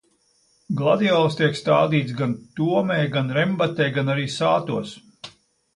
Gladiolas tiek stādītas gan Tomē, gan Rembatē, gan arī Sātos.